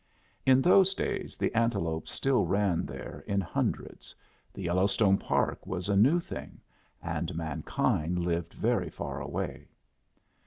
In those days the antelope still ran there in hundreds, the Yellowstone Park was a new thing, and mankind lived very far away.